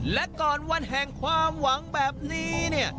และก่อนวันแห่งความหวังแบบนี้เนี่ย